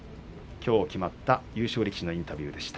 きょう決まった優勝力士のインタビューでした。